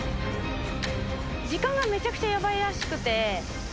時間がめちゃくちゃヤバいらしくて。